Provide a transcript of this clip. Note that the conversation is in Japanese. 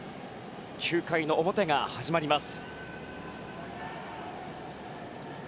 ９回の表が始まります。